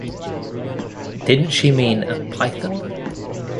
Didn't she mean a python?